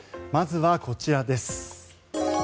まずはこちらです。